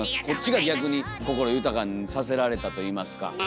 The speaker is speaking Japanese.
こっちが逆に心豊かにさせられたといいますか。